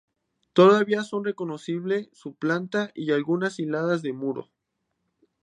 Todavía son reconocibles su planta y algunas hiladas de muro.